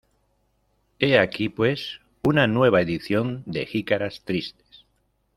He aquí, pues, una nueva edición de Jicaras tristes.